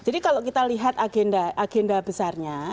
jadi kalau kita lihat agenda besarnya